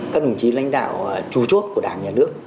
các đồng chí lãnh đạo tru chốt của đảng nhà nước